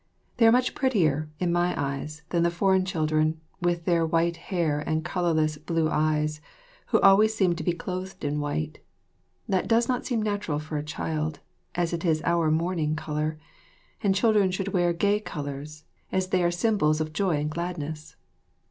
They are much prettier, in my eyes, than the foreign children, with their white hair and colourless, blue eyes, who always seem to be clothed in white. That seems not natural for a child, as it is our mourning colour, and children should wear gay colours, as they are symbols of joy and gladness.